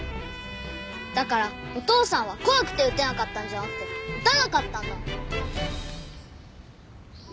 だからお父さんは怖くて撃てなかったんじゃなくて撃たなかったんだ！